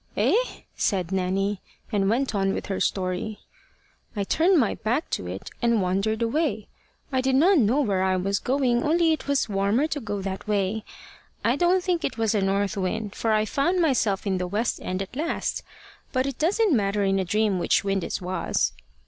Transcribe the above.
"Eh?" said Nanny, and went on with her story. "I turned my back to it, and wandered away. I did not know where I was going, only it was warmer to go that way. I don't think it was a north wind, for I found myself in the west end at last. But it doesn't matter in a dream which wind it was."